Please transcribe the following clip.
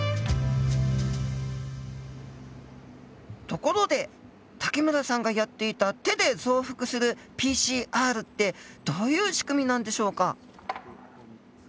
ところで武村さんがやっていた手で増幅するＰＣＲってどういう仕組みなんでしょうか？